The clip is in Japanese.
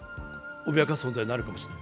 脅かす存在になるかもしれない。